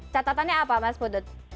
catatannya apa mas putut